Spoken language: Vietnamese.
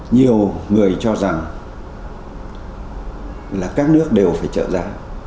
nhiều người cho rằng là các nước đều phải trợ giá